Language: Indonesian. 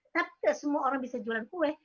tapi semua orang bisa jualan kue